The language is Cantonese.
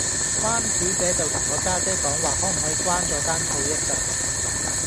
關小姐就同我家姐講話可唔可以關左間鋪一陣